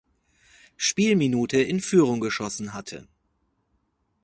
Spielminute in Führung geschossen hatte.